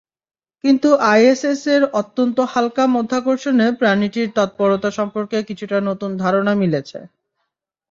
কিন্তু আইএসএসের অত্যন্ত হালকা মাধ্যাকর্ষণে প্রাণীটির তৎপরতা সম্পর্কে কিছুটা নতুন ধারণা মিলেছে।